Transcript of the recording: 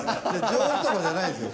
上手とかじゃないんですよ。